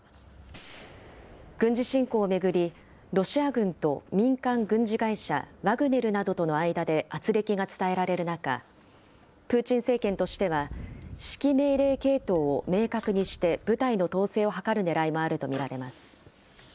軍事侵攻を巡り、ロシア軍と民間軍事会社、ワグネルなどとの間であつれきが伝えられる中、プーチン政権としては、指揮命令系統を明確にして部隊の統制を図るねらいもあると見られます。